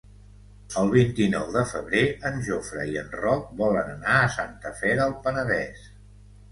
El vint-i-nou de febrer en Jofre i en Roc volen anar a Santa Fe del Penedès.